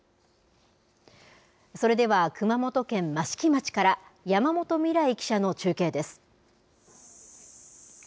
それでは、熊本県益城町から山本未来記者の中継です。